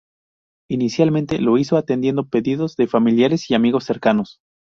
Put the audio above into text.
Inicialmente lo hizo atendiendo pedidos de familiares y amigos cercanos.